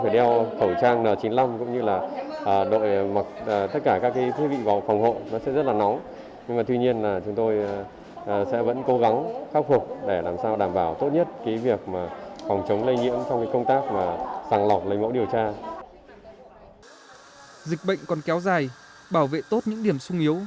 dịch bệnh còn kéo dài bảo vệ tốt những điểm sung yếu